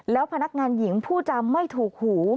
แล้วพนักงานหญิงผู้จำไม่ถูกหู